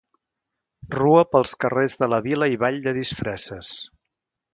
Rua pels carrers de la vila i ball de disfresses.